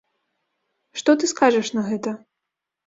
Што ты скажаш на гэта?